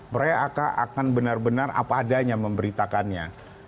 mereka akan benar benar apa adanya memberitakannya